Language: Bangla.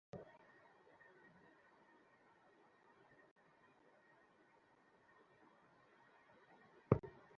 তখন আমি মনে মনে স্থির করি যে বড় হয়ে আমি টারজানই হব।